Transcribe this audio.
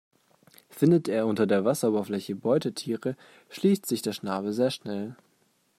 Findet er unter der Wasseroberfläche Beutetiere, schließt sich der Schnabel sehr schnell.